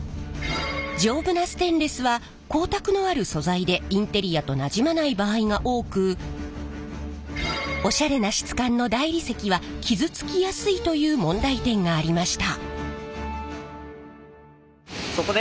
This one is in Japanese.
丈夫なステンレスは光沢のある素材でインテリアとなじまない場合が多くオシャレな質感の大理石は傷つきやすいという問題点がありました。